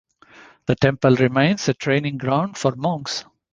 The temple remains a training ground for monks.